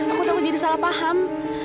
aku takut jadi salah paham